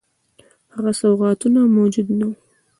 ښه سوغاتونه موجود نه وه.